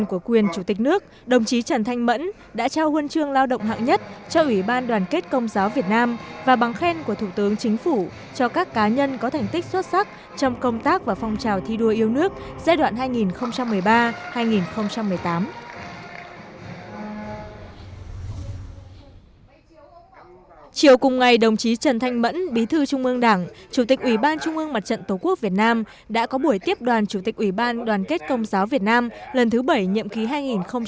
chủ tịch ủy ban trung ương mặt trận tổ quốc việt nam đã có buổi tiếp đoàn chủ tịch ủy ban đoàn kết công giáo việt nam lần thứ bảy nhiệm ký hai nghìn một mươi tám hai nghìn hai mươi ba